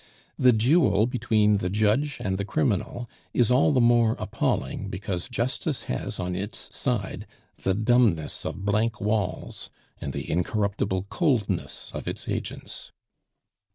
The duel between the judge and the criminal is all the more appalling because justice has on its side the dumbness of blank walls and the incorruptible coldness of its agents.